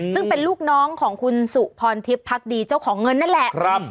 ซึ่งเป็นลูกน้องของคุณสุพรทิพย์พักดีเจ้าของเงินนั่นแหละ